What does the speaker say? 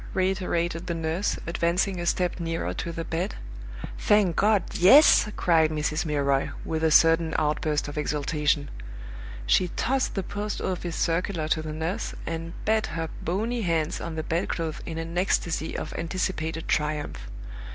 reiterated the nurse, advancing a step nearer to the bed. "Thank God yes!" cried Mrs. Milroy, with a sudden outburst of exultation. She tossed the Post office circular to the nurse, and beat her bony hands on the bedclothes in an ecstasy of anticipated triumph.